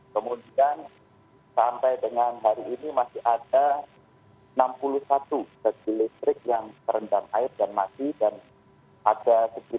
kemudian sampai dengan hari ini masih ada enam puluh satu benci listrik yang terendam air dan mati